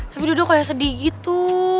tapi udah kayak sedih gitu